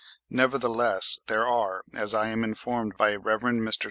Nevertheless there are, as I am informed by the Rev. Mr.